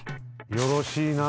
よろしいな。